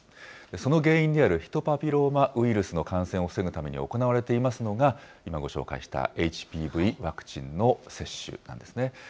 その原因であるヒトパピローマウイルスの感染を防ぐために行われていますのが、今ご紹介したＨＰＶワクチンの接種なんですね。